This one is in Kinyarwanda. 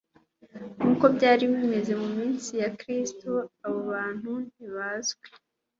nk'uko byari bimeze mu minsi ya Kristo, abo bantu ntibazwi,